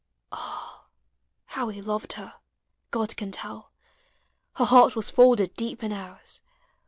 Ah, how we loved her, God can tell; Her heart was folded deep in ours.